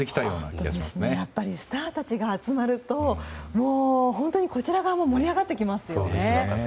やっぱりスターたちが集まると本当にこちら側も盛り上がってきますよね。